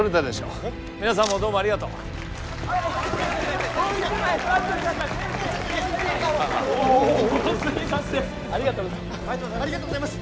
ありがとうございます。